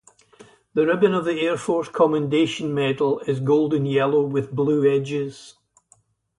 The ribbon of the Air Force Commendation Medal is golden yellow with blue edges.